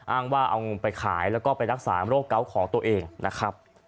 อ้างว่าเอาไปขายแล้วก็ไปรักษาโรคเกาะของตัวเองนะครับ